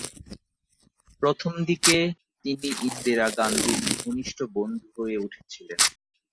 প্রথমদিকে, তিনি ইন্দিরা গান্ধীর ঘনিষ্ঠ বন্ধু হয়ে উঠেছিলেন।